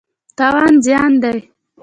تاوان زیان دی.